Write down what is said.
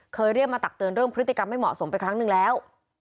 เรียกมาตักเตือนเรื่องพฤติกรรมไม่เหมาะสมไปครั้งหนึ่งแล้ว